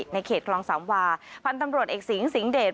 ในเขตคลองสามวาพันธุ์ตำรวจเอกสิงสิงหเดช